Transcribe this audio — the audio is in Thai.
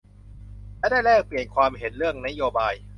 และได้แลกเปลี่ยนความเห็นเรื่องนโยบาย